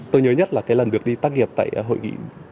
tôi nhớ nhất là cái lần được đi tác nghiệp tại hội nghị